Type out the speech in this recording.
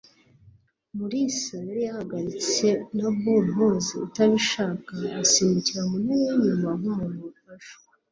Mulisa yari yahagaritse na Bumpus utabishaka asimbukira ku ntebe yinyuma nkumuntu wafashwe.